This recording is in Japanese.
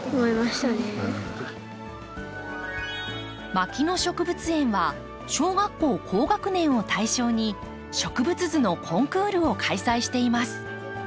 牧野植物園は小学校高学年を対象に植物図のコンクールを開催しています。